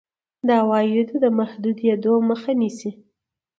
د عوایدو د محدودېدو مخه نیسي.